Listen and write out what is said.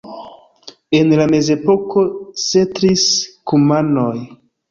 En la mezepoko setlis kumanoj.